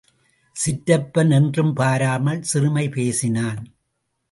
சிற்றப்பன் என்றும் பாராமல் சிறுமை பேசினான்.